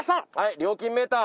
料金メーター？